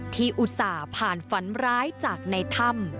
อุตส่าห์ผ่านฝันร้ายจากในถ้ำ